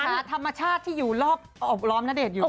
ธรรมชาติที่อยู่รอบล้อมณเดชน์อยู่